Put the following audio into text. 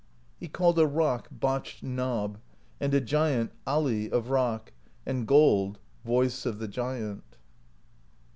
He called a rock Botched Knob, and a giant Ali of Rock, and gold Voice of the Giant.